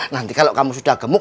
nanti kalau kamu sudah gemuk